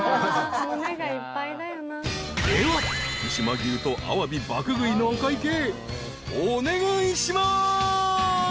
［では福島牛とアワビ爆食いのお会計お願いします］